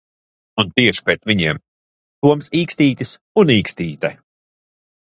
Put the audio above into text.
Un tieši pēc viņiem, Toms Īkstītis un Īkstīte!